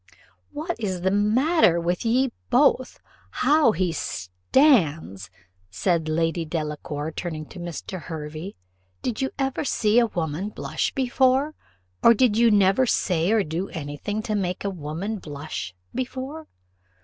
"What is the matter with ye both? How he stands!" said Lady Delacour, turning to Mr. Hervey. "Did you never see a woman blush before? or did you never say or do any thing to make a woman blush before?